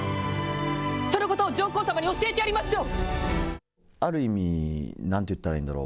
そのことを上皇様に教えてやりましょう。